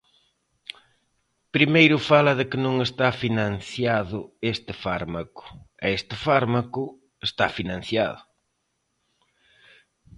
Primeiro fala de que non está financiado este fármaco, e este fármaco está financiado.